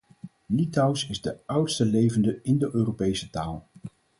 Litouws is de oudste levende Indo-Europese taal.